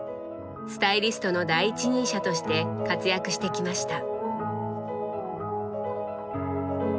スタイリストの第一人者として活躍してきました。